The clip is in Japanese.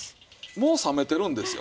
もう冷めてるんですよ。